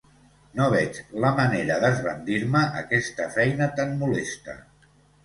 No veig la manera d'esbandir-me aquesta feina tan molesta.